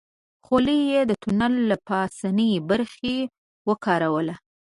خولۍ يې د تونل له پاسنۍ برخې وکاروله.